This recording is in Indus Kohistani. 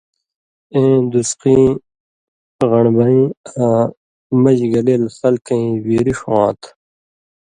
اېں دُسقیں غن٘ڑبَیں آں مژگلېل خلکَیں ویری ݜُون٘واں تھہ؛